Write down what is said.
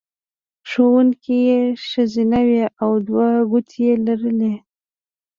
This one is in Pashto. ښوونکې یې ښځینه وې او دوه کوټې یې لرلې